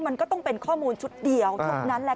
มันก็ต้องเป็นข้อมูลชุดเดียวชุดนั้นแหละ